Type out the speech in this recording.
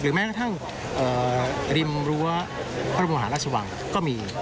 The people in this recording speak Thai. หรือแม้ตั้งริมรั้วพระมุมหารัศวังก็มี